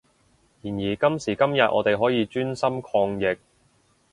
然而今時今日我哋可以專心抗疫